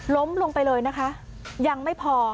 ล้มลงไปเลยนะคะยังไม่พอ